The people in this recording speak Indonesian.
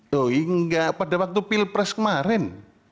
tuh hingga pada waktu pilpres kemarin